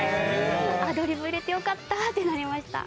アドリブ入れてよかった！ってなりました。